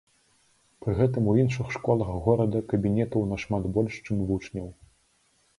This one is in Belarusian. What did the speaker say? Пры гэтым у іншых школах горада кабінетаў нашмат больш, чым вучняў.